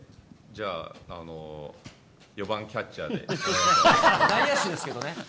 じゃあ、あの、４番キャッチ内野手ですけどね。